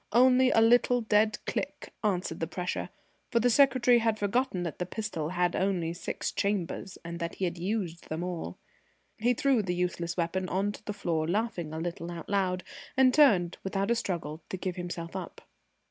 Only a little dead click answered the pressure, for the secretary had forgotten that the pistol had only six chambers, and that he had used them all. He threw the useless weapon on to the floor, laughing a little out loud, and turned, without a struggle, to give himself up.